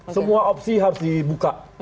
semua opsi harus dibuka